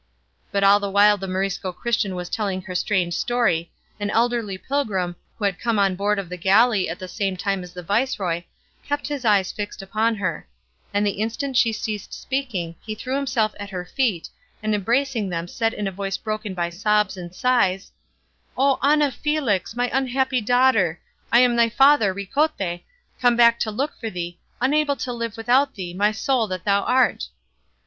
But all the while the Morisco Christian was telling her strange story, an elderly pilgrim, who had come on board of the galley at the same time as the viceroy, kept his eyes fixed upon her; and the instant she ceased speaking he threw himself at her feet, and embracing them said in a voice broken by sobs and sighs, "O Ana Felix, my unhappy daughter, I am thy father Ricote, come back to look for thee, unable to live without thee, my soul that thou art!"